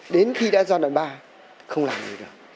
đến khi đã do đoạn ba không làm gì được